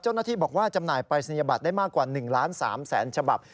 เจ้าหน้าที่บอกว่าจำหน่ายปรายศนียบัตรได้มากกว่า๑ล้าน๓แสนฉบับ